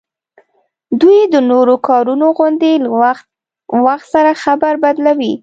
دوی د نورو کارونو غوندي له وخت وخت سره خبره بدلوي